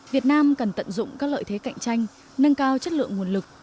việt nam cần tận dụng các lợi thế cạnh tranh nâng cao chất lượng nguồn lực